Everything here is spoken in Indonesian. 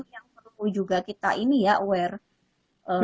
yang perlu juga kita ini ya aware